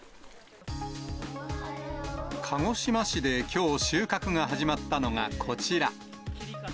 鹿児島市できょう収穫が始まったのがこちら。